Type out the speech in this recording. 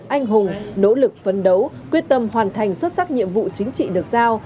anh hùng nỗ lực phấn đấu quyết tâm hoàn thành xuất sắc nhiệm vụ chính trị được giao